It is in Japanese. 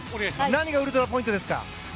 何がウルトラポイントですか？